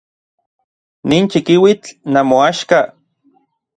Nin chikiuitl namoaxka.